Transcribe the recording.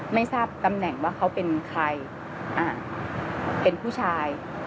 ไม่ทราบตำแหน่งว่าเขาเป็นใครเป็นผู้ชาย